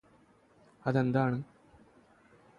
അത് എന്താണ്